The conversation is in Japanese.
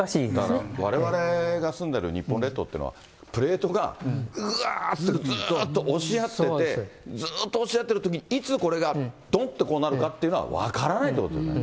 だからわれわれが住んでる日本列島というのは、プレートがぐわっとずっと押し合ってるときに、いつこれが、どんってこうなるかっていうのは分からないということですよね。